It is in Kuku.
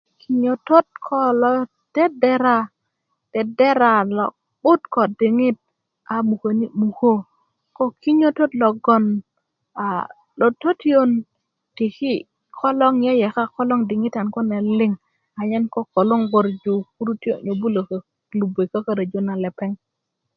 kinyötöt ko lo dedera 'dek dedera lo'but ko diŋit a muköni mukö ko kinyötöt logon a lo tötiyön tiki i kolong yeyeka i kolong diŋitan kune anyen kolobgröju kurutiyö nyöbulo kökörju na lepŋ